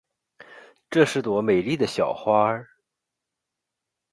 这是朵美丽的小花。